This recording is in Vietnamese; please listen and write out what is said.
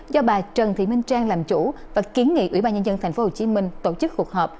do bà trần thị minh trang làm chủ và kiến nghị ủy ban nhân dân tp hcm tổ chức cuộc họp